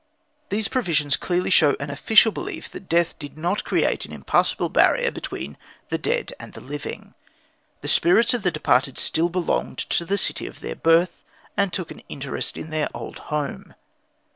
These provisions clearly show an official belief that death did not create an impassable barrier between the dead and the living. The spirits of the departed still belonged to the city of their birth, and took an interest in their old home.